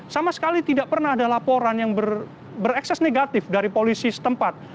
sama sekali tidak pernah ada laporan yang berekses negatif dari polisi setempat